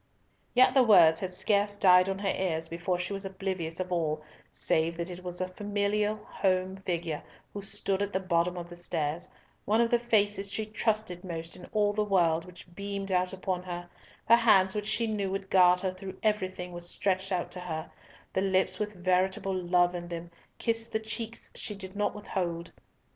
Yet the words had scarce died on her ears before she was oblivious of all save that it was a familial home figure who stood at the bottom of the stairs, one of the faces she trusted most in all the world which beamed out upon her, the hands which she knew would guard her through everything were stretched out to her, the lips with veritable love in them kissed the cheeks she did not withhold.